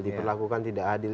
diperlakukan tidak adil